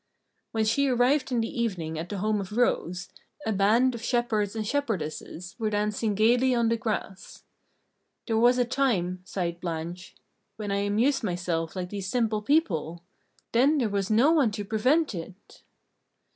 When she arrived in the evening at the home of Rose, a band of shepherds and shepherdesses were dancing gaily on the grass. "There was a time," sighed Blanche, "when I amused myself like these simple people! Then there was no one to prevent it!"